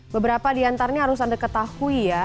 beberapa diantaranya harus anda ketahui ya